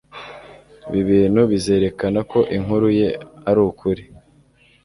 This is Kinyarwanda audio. Ibi bintu bizerekana ko inkuru ye ari ukuri